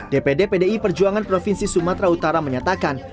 dpd pdi perjuangan provinsi sumatera utara menyatakan